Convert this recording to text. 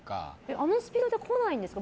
あのスピードで来ないんですか？